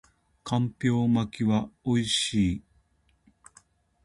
干瓢巻きは美味しい